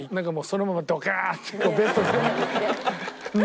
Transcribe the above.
そのままドカーッてベッドに寝て。